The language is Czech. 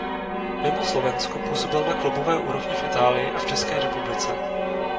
Mimo Slovensko působil na klubové úrovni v Itálii a České republice.